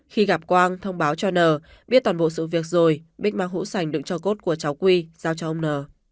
khi gặp quang thông báo cho n biết toàn bộ sự việc rồi bích mang hũ sành được cho cốt của cháu quy giao cho ông n